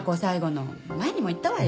前にも言ったわよ